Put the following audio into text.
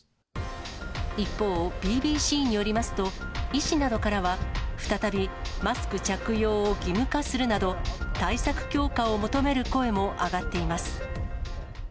一方、ＢＢＣによりますと、医師などからは、再びマスク着用を義務化するなど、対策強化を求める声も上がっています。